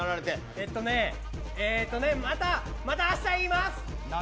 えっとねまたあした言います。